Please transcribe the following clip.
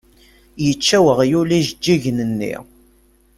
Yečča weɣyul ijeǧǧigen-nni.